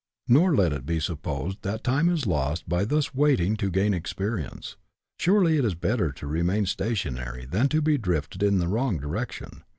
Nor let it be supposed that time is lost by thus waiting to gain experience. Surely it is better to remain stationary than to be drifted in the wrong direction.